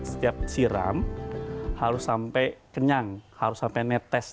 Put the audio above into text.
setiap siram harus sampai kenyang harus sampai netes